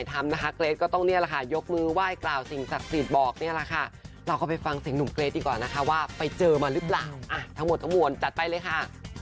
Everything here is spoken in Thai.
ทั้งหมดทั้งหมวนจัดไปเลยค่ะ